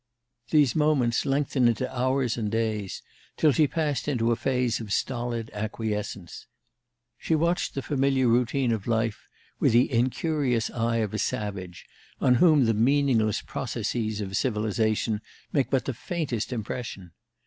These moments lengthened into hours and days, till she passed into a phase of stolid acquiescence. She watched the familiar routine of life with the incurious eye of a savage on whom the meaningless processes of civilization make but the faintest impression.